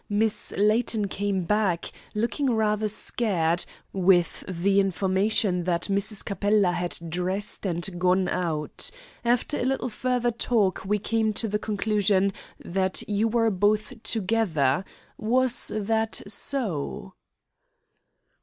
Miss Layton came back, looking rather scared, with the information that Mrs. Capella had dressed and gone out. After a little further talk we came to the conclusion that you were both together. Was that so?"